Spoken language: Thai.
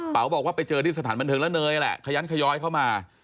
บอกว่าไปเจอที่สถานบันเทิงแล้วเนยแหละขยันขย้อยเข้ามา